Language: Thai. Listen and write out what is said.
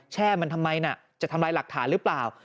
แช่มันทำไมน่ะจะทำลายหลักฐานหรือเปล่า